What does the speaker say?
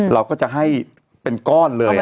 เราก็จะให้เป็นก้อนเลย